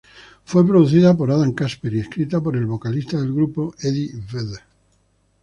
Fue producida por Adam Kasper y escrita por el vocalista del grupo Eddie Vedder.